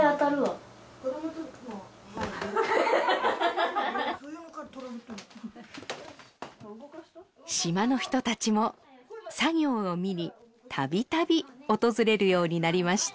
ハハハハ島の人たちも作業を見にたびたび訪れるようになりました